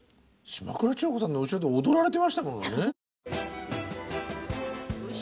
島倉千代子さんの後ろで踊られてましたものね。